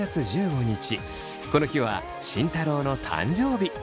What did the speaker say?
この日は慎太郎の誕生日。